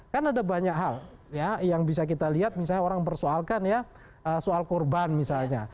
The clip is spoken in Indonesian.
kan ada banyak hal yang bisa kita lihat misalnya orang persoalkan ya soal korban misalnya